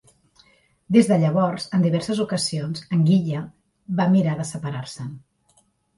Des de llavors, en diverses ocasions Anguilla va mirar de separar-se'n.